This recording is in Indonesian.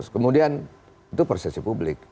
kemudian itu prosesi publik